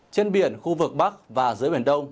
trên biển khu vực bắc và giữa biển đông